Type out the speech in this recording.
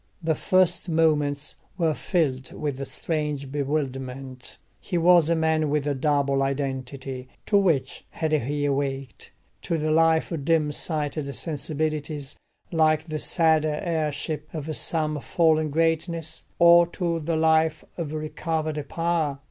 The first moments were filled with strange bewilderment: he was a man with a double identity; to which had he awaked? to the life of dim sighted sensibilities like the sad heirship of some fallen greatness, or to the life of recovered power?